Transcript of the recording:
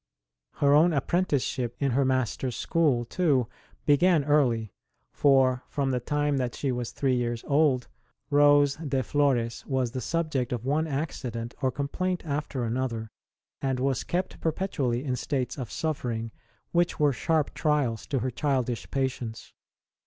Her own apprenticeship in her Master s school, too, began early ; for from the time that she was three years old Rose de Florcs was the subject of one accident or complaint after another, and was kept perpetually in states of suffering which were sharp trials to her childish patience.